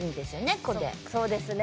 ここでそうですね